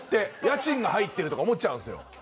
家賃が入っているとか思っちゃうんですよ。